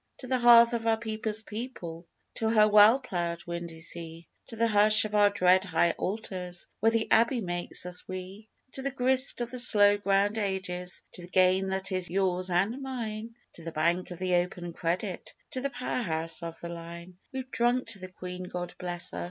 To the hearth of our people's people To her well ploughed windy sea, To the hush of our dread high altars Where the Abbey makes us We; To the grist of the slow ground ages, To the gain that is yours and mine To the Bank of the Open Credit, To the Power house of the Line! We've drunk to the Queen God bless her!